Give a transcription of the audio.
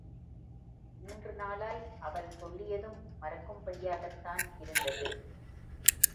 மூன்று நாளாய் அவள் சொல்லியதும் மறக்கும்படியாகத் தான் இருந்தது.